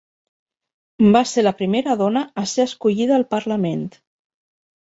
Va ser la primera dona a ser escollida al parlament.